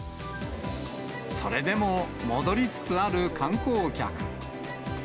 それでも戻りつつある観光客。